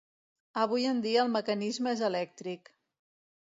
Avui en dia el mecanisme és elèctric.